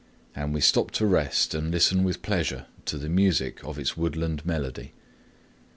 And we stop to rest and listen with pleasure to the music of its woodland melody.